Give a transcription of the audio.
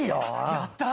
やった！